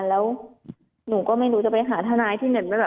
แล้วหนูก็ไม่รู้จะไปหาทนายที่ไหน